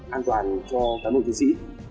an toàn cho cán bộ chiến sĩ